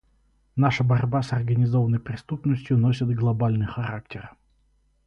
Наша борьба с организованной преступностью носит глобальный характер.